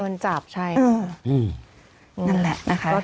โดนจับใช่นั่นแหละนะคะ